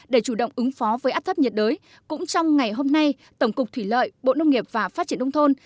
để chủ động ứng phó với áp thấp nhiệt đới cũng trong ngày hôm nay tổng cục thủy lợi bộ nông nghiệp và phát triển nông thôn